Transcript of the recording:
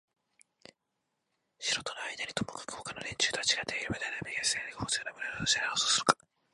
城とのあいだにともかくもほかの連中とはちがってはいるがただ見かけだけにすぎない関係をもつような村の労働者であろうとするのか、